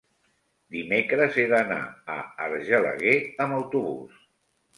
dimecres he d'anar a Argelaguer amb autobús.